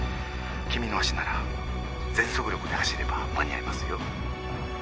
君の足なら全速力で走れば間に合いますよ。